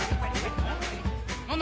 何だ？